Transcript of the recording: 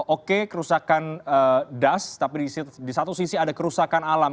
oke kerusakan das tapi di satu sisi ada kerusakan alam